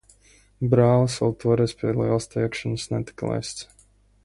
Brālis toreiz vēl pie lielas teikšanas netika laists.